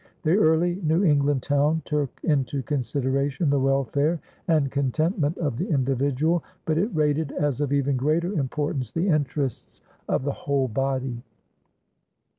The early New England town took into consideration the welfare and contentment of the individual, but it rated as of even greater importance the interests of the whole body.